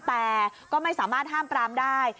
แต่ก็ไม่สามารถห้ามปรามได้